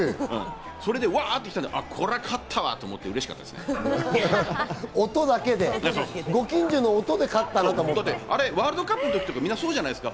それでわぁってきたんで、こりゃ勝ったわと思って、うれし音だけで、ご近所の音で勝っワールドカップの時とかもそうじゃないですか。